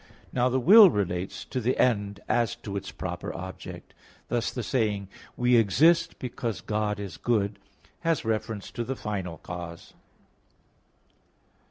Now the will relates to the end as to its proper object. Thus the saying, "we exist because God is good" has reference to the final cause.